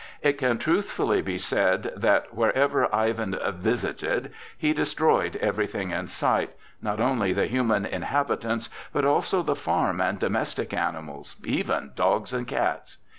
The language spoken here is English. It can truthfully be said that wherever Ivan "visited," he destroyed everything in sight,—not only the human inhabitants, but also the farm and domestic animals, even dogs and cats.